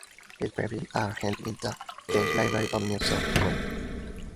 His papers are held in the State Library of New South Wales.